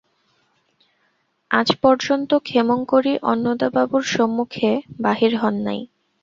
আজ পর্যন্ত ক্ষেমংকরী অন্নদাবাবুর সম্মুখে বাহির হন নাই।